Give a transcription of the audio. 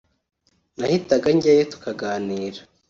nahitaga njyayo tukaganira